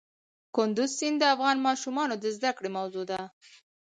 کندز سیند د افغان ماشومانو د زده کړې موضوع ده.